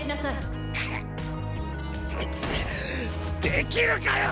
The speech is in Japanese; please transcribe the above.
できるかよ！